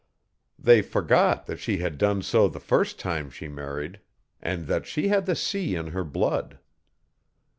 They forgot that she had done so the first time she married, and that she had the sea in her blood.